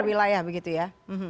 perwilayaan begitu ya